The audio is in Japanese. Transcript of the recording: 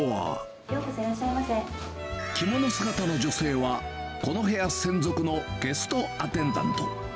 着物姿の女性は、この部屋専属のゲストアテンダント。